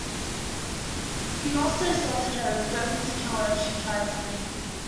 He also assaulted her and threatened to kill her if she tried to leave.